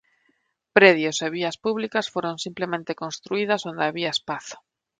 Predios e vías públicas foron simplemente construídas onde había espazo.